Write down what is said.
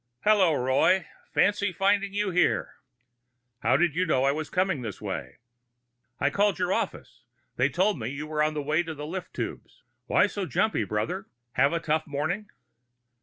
"Hello, Roy. Fancy finding you here!" "How did you know I'd be coming this way?" "I called your office. They told me you were on your way to the lift tubes. Why so jumpy, brother? Have a tough morning?"